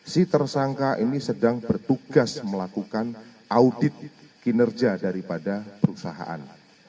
si tersangka ini sedang bertugas melakukan audit kinerja daripada perusahaan